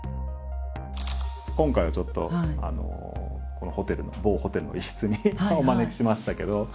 今回はちょっとこのホテルの某ホテルの一室にお招きしましたけど。